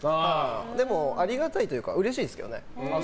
でも、ありがたいというかうれしいですけどね。